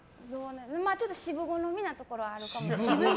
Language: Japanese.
ちょっと渋好みなところはあるかもしれない。